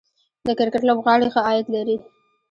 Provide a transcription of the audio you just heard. د کرکټ لوبغاړي ښه عاید لري